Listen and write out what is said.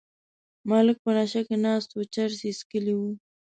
ملک په نشه کې ناست و چرس یې څکلي وو.